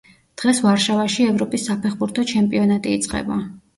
დღეს ვარშავაში ევროპის საფეხბურთო ჩემპიონატი იწყება.